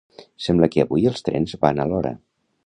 Sembla que avui els trens van a l'hora